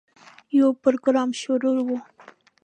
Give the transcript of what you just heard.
یو پروګرام شروع و.